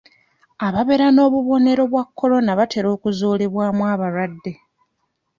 Ababeera n'obubonero bwa kolona batera okuzuulibwamu balwadde.